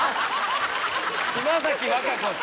「島崎和歌子」って。